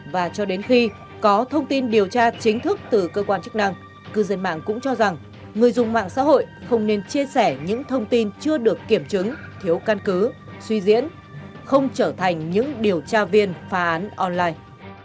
và cho đến khi có thông tin điều tra chính thức từ cơ quan chức năng cư dân mạng cũng cho rằng người dùng mạng xã hội không nên chia sẻ những thông tin chưa được kiểm chứng thiếu căn cứ suy diễn không trở thành những điều tra viên phá án online